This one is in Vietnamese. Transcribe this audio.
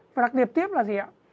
và đặc điệp tiếp là gì ạ